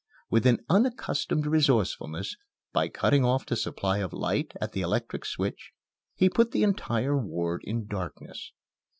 With an unaccustomed resourcefulness, by cutting off the supply of light at the electric switch, he put the entire ward in darkness.